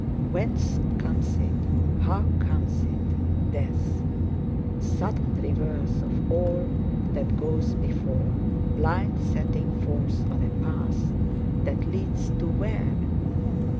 Whence comes it, how comes it—Death? Sudden reverse of all that goes before; blind setting forth on a path that leads to where?